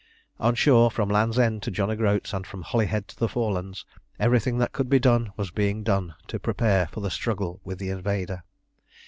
On shore, from Land's End to John o' Groats, and from Holyhead to the Forelands, everything that could be done was being done to prepare for the struggle with the invader.